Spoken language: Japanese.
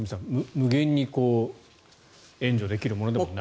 無限に援助できるものでもない。